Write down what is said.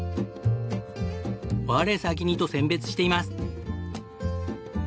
我先にと選別しています。